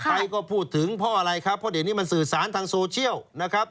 ใครก็พูดถึงเพราะอะไรครับเพราะเดี๋ยวนี้มันสื่อสารทางโซเชียลนะครับ